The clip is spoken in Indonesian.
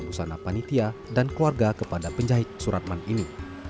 busana panitia dan keluarga kepada penjahit suratman ini